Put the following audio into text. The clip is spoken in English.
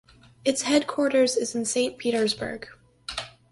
Its headquarters is in Saint Petersburg.